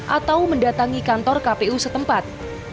atau mendatangi kantor kpu setempat